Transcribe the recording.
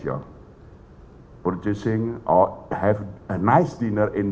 membeli atau makan malam yang enak di dmc